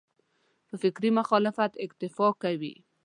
په فکري مخالفت اکتفا کوي.